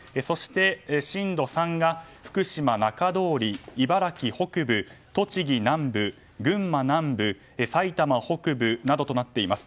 そして、震度３が福島中通り、茨城北部栃木南部、群馬南部埼玉北部などとなっています。